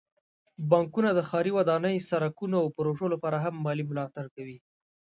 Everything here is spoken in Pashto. بانکونه د ښاري ودانۍ، سړکونو، او پروژو لپاره هم مالي ملاتړ کوي.